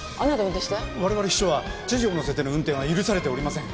我々秘書は知事を乗せての運転は許されておりません。